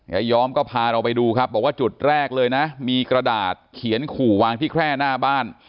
ยายอมก็พาเราไปดูครับบอกว่าจุดแรกเลยนะมีกระดาษเขียนขู่วางที่แคร่หน้าบ้าน